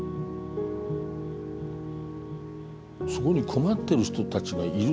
そこに困ってる人たちがいる。